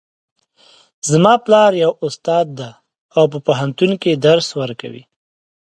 زما پلار یو استاد ده او په پوهنتون کې درس ورکوي